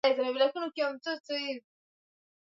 Sinema waliyoangalia ilikuwa na vita kupindukia